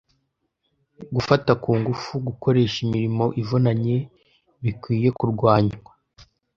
gufata ku ngufu gukoresha imirimo ivunanye bikwiyekurwanywa